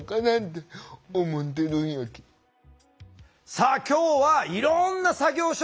さあ今日はいろんな作業所